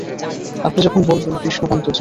আপনি যখনই বলবেন, কৃষ্ণকান্ত জি।